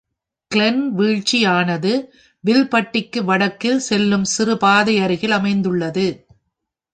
Glenn வீழ்ச்சி யானது வில்பட்டிக்கு வடக்கில் செல்லும் சிறு பாதையருகில் அமைந்துள்ளது.